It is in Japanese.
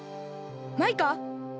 マイカ？